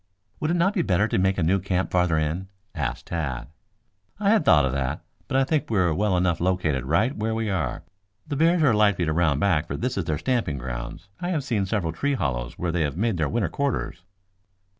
"Would it not be better to make a new camp farther in?" asked Tad. "I had thought of that, but I think we are well enough located right where we are. The bears are likely to round back, for this is their stamping ground. I have seen several tree hollows where they have made their winter quarters."